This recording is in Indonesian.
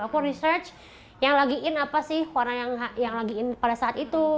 aku research yang lagi in apa sih warna yang lagi in pada saat itu